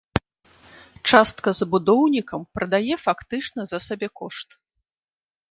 Частка забудоўнікаў прадае фактычна за сабекошт.